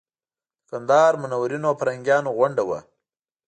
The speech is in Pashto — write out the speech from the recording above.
د کندهار منورینو او فرهنګپالو غونډه وه.